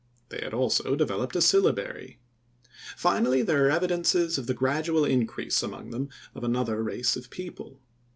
They had also developed a syllabary. Finally, there are evidences of the gradual increase among them of another race of people.